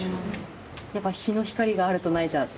やっぱ日の光があるとないじゃ。